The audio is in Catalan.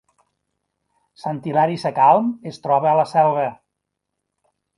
Sant Hilari Sacalm es troba a la Selva